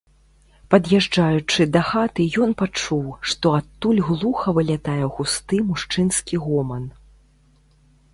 Пад'язджаючы да хаты, ён пачуў, што адтуль глуха вылятае густы мужчынскі гоман.